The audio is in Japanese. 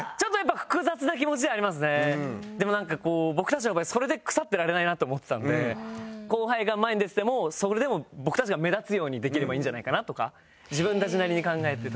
でもなんか僕たちの場合それで腐ってられないなと思ってたので後輩が前に出ててもそれでも僕たちが目立つようにできればいいんじゃないかなとか。